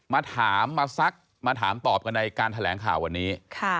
มาถามมาซักมาถามตอบกันในการแถลงข่าววันนี้